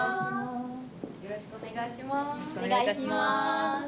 よろしくお願いします。